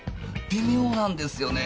微妙なんですよね。